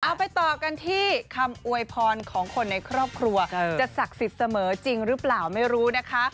เอาไปต่อกันที่คำอวยพรของคนในครอบครัวจะศักดิ์สิทธิ์เสมอจริงหรือเปล่าไม่รู้นะคะ